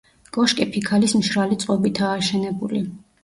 კოშკი ფიქალის მშრალი წყობითაა აშენებული.